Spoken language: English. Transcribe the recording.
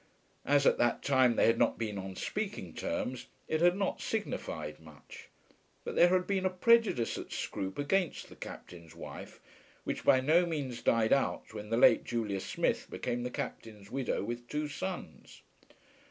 As at that time they had not been on speaking terms, it had not signified much; but there had been a prejudice at Scroope against the Captain's wife, which by no means died out when the late Julia Smith became the Captain's widow with two sons.